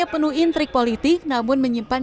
penuhi trik politik namun menyimpan